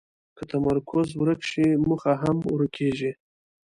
که تمرکز ورک شي، موخه هم ورکېږي.